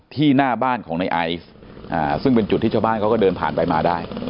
หน้าบ้านของในไอซ์ซึ่งเป็นจุดที่ชาวบ้านเขาก็เดินผ่านไปมาได้